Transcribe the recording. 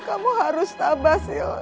kamu harus tabah sil